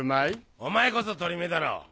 お前こそ鳥目だろ。